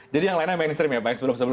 jadi yang lainnya mainstream ya pak